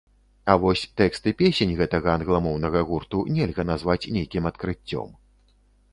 А вось тэксты песень гэтага англамоўнага гурту нельга назваць нейкім адкрыццём.